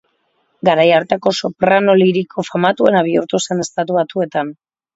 Garai hartako soprano liriko famatuena bihurtu zen Estatu Batuetan.